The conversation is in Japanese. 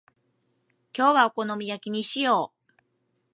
今日はお好み焼きにしよう。